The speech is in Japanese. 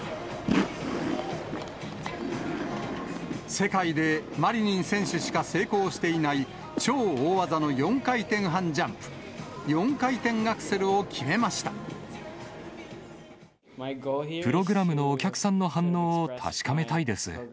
世界でマリニン選手しか成功していない、超大技の４回転半ジャンプ、プログラムのお客さんの反応を確かめたいです。